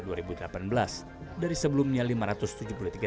dari sebuah pemerintah yang berpengalaman dengan pemerintah